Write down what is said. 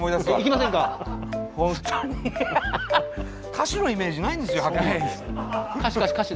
歌手のイメージないんですよはっきり言って。